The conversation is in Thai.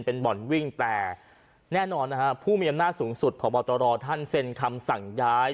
เป็นบ่อนวิ่งแต่แน่นอนนะฮะผู้มีอำนาจสูงสุดพบตรท่านเซ็นคำสั่งย้าย